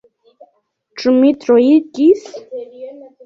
Ĉu mi troigis?